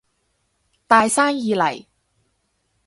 大生意嚟